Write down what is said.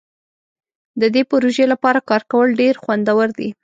د دې پروژې لپاره کار کول ډیر خوندور دي.